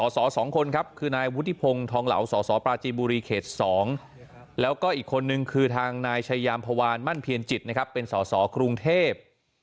สอสองคนครับคือนายวุฒิพงศ์ทองเหลาสสปราจีบุรีเขต๒แล้วก็อีกคนนึงคือทางนายชายามพวานมั่นเพียรจิตนะครับเป็นสอสอกรุงเทพ